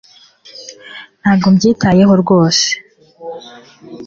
Ntabwo mbyitayeho rwose